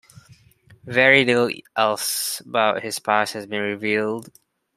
Very little else about his past has been revealed.